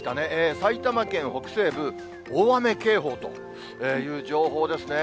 埼玉県北西部、大雨警報という情報ですね。